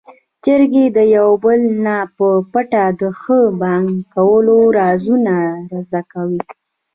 چرګې د يو بل نه په پټه د ښه بانګ کولو رازونه زده کول.